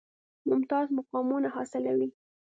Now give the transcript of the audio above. ممتاز مقامونه حاصلوي.